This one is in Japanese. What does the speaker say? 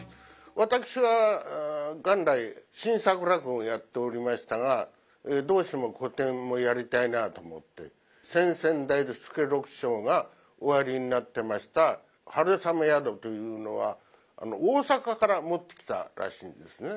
私は元来新作落語をやっておりましたがどうしても古典もやりたいなと思って先々代助六師匠がおやりになってました「春雨宿」というのは大阪から持ってきたらしいんですね。